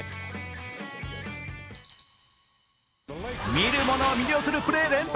見る者を魅了するプレー連発。